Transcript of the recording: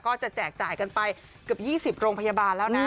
แจกจ่ายกันไปเกือบ๒๐โรงพยาบาลแล้วนะ